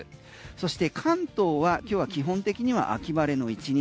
そして関東は今日は基本的には秋晴れの１日。